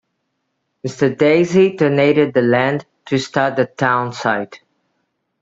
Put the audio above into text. Mr. Dazey donated the land to start the townsite.